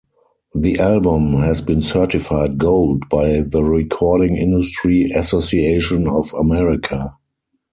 The album has been certified gold by the Recording Industry Association of America.